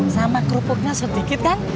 sama kerupuknya sedikit kan